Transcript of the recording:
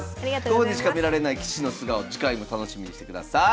ここでしか見られない棋士の素顔次回も楽しみにしてください。